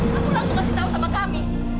aku langsung kasih tahu sama kami